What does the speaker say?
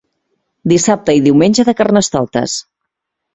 Dissabte i Diumenge de carnestoltes.